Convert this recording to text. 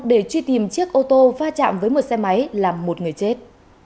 để truy tìm chiếc ô tô va chạm với một xe máy làm một người chết